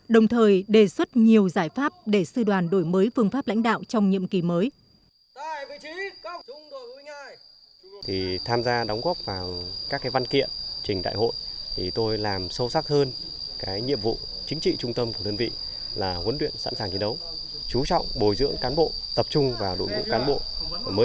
đồng thời đề xuất nhiều giải pháp để sư đoàn đổi mới phương pháp lãnh đạo trong nhiệm kỳ mới